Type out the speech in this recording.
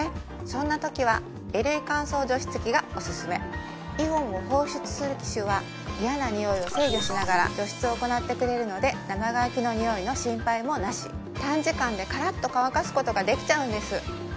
そんなときは衣類乾燥除湿機がおすすめイオンを放出する機種は嫌なにおいを制御しながら除湿を行ってくれるので生乾きのにおいの心配もなし短時間でからっと乾かすことができちゃうんです